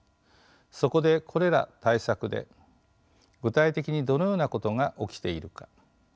そこでこれら対策で具体的にどのようなことが起きているか。